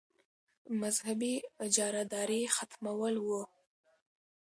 مذهبي اجاراداري ختمول وو.